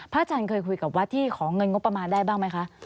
อาจารย์เคยคุยกับวัดที่ขอเงินงบประมาณได้บ้างไหมคะ